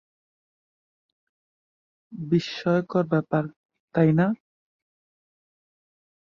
বিস্ময়কর ব্যাপার, তাই না?